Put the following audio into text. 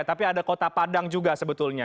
tapi ada kota padang juga sebetulnya